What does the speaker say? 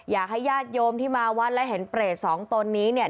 อยากให้ญาติโยมที่มาวัดและเห็นเปรตสองตนนี้เนี่ย